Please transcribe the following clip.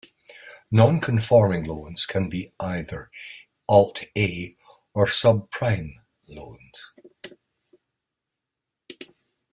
Non-conforming loans can be either Alt-A or subprime loans.